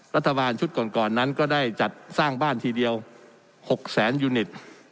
รัฐบาลชุดก่อนนั้นก็ได้จัดสร้างบ้านทีเดียว๖แสนยูนิต